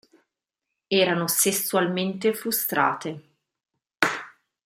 Erano sessualmente frustrate.